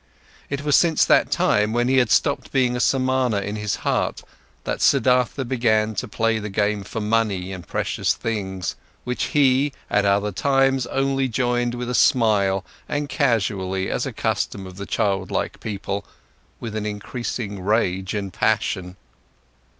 It was since that time, when he had stopped being a Samana in his heart, that Siddhartha began to play the game for money and precious things, which he at other times only joined with a smile and casually as a custom of the childlike people, with an increasing rage and passion.